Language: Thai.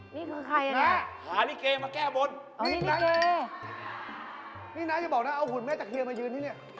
นี่คือใครอ่ะน่ะหานี่เกมาแก้บ้น